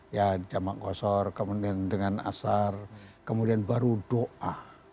lihur setelah sholat lihur ya karena ada jamak gosor kemudian dengan azhar kemudian baru doa